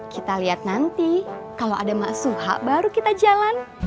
kita liat nanti kalo ada mak suha baru kita jalan